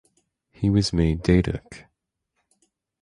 He was made Datuk.